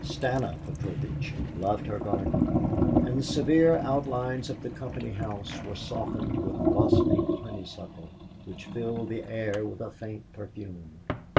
Stana Petrovitch loved her garden, and the severe outlines of the company house were softened with blossoming honeysuckle, which filled the air with a faint perfume.